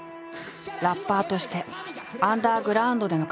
ラッパーとしてアンダーグラウンドでの活動。